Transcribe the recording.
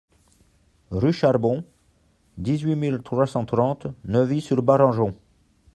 Rue Charbon, dix-huit mille trois cent trente Neuvy-sur-Barangeon